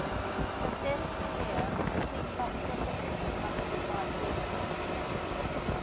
As death drew near it seemed not to affect him so much as might be expected.